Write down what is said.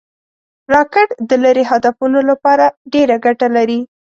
راکټ د لرې هدفونو لپاره ډېره ګټه لري